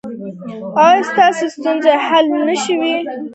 ایا ستاسو ستونزې حل نه شوې؟